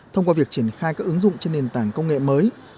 thông qua việc triển khai các ứng dụng trên nền tảng công nghệ mới